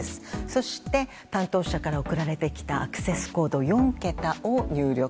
そして、担当者から送られてきたアクセスコード４桁を入力。